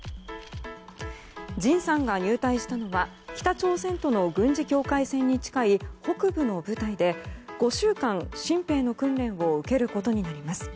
ＪＩＮさんが入隊したのは北朝鮮との軍事境界線に近い北部の部隊で５週間、新兵の訓練を受けることになります。